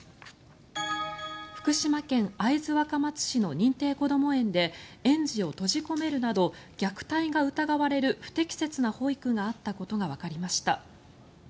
福島県会津若松市の認定こども園で園児を閉じ込めるなど虐待が疑われる不適切な保育があったことがわかりました。